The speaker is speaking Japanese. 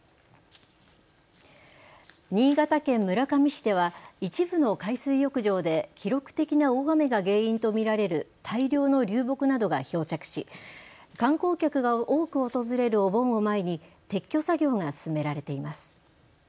新潟県村上市では一部の海水浴場で記録的な大雨が原因と見られる大量の流木などが漂着し、観光客が多く訪れるお盆を前に撤去作業が進められています。